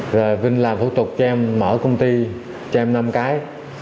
rồi vinh làm phẫu tục cho em mở công ty cho em năm cái